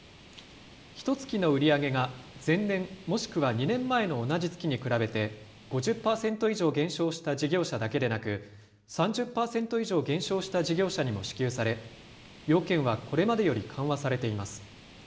ひとつきの売り上げが前年、もしくは２年前の同じ月に比べて、５０％以上減少した事業者だけでなく、３０％以上減少した事業者にも支給され、要件はこれまでより緩和されています。